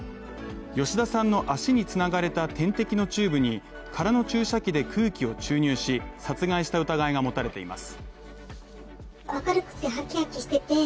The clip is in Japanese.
吉田さんの足に繋がれた点滴のチューブに空の注射器で空気を注入し、殺害した疑いが持たれています。